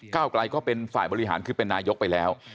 ก้าวไกลก็เป็นฝ่ายบริหารขึ้นเป็นนายกไปแล้ว